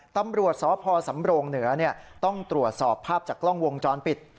ตำรวจสพสำโรงเหนือต้องตรวจสอบภาพจากกล้องวงจรปิด